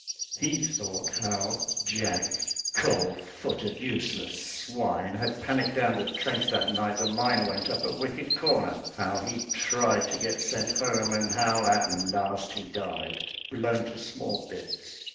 He thought how "Jack," cold footed, useless swine, Had panicked down the trench that night the mine Went up at Wicked Corner; how he'd tried To get sent home; and how, at last, he died, Blown to small bits.